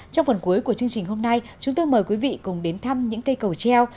trong phần cuối của chương trình hôm nay chúng tôi mời quý vị cùng đến thăm những cây cầu treo